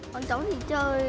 bọn cháu thì chơi